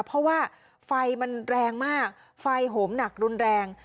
เพราะว่าไฟมันแรงมากไฟโหมหนักรุนแรง